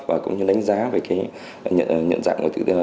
và cũng như đánh giá về cái nhận dạng